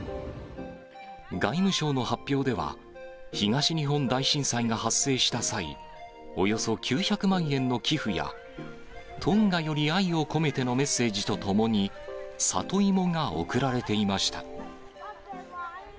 外務省の発表では、東日本大震災が発生した際、およそ９００万円の寄付や、トンガより愛を込めてのメッセージと共に里芋が送られていました。